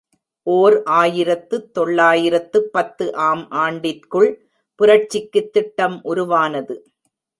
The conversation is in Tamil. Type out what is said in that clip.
ஓர் ஆயிரத்து தொள்ளாயிரத்து பத்து ஆம் ஆண்டிற்குள் புரட்சிக்கு திட்டம் உருவானது.